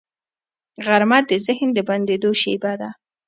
غرمه د ذهن د بندېدو شیبه ده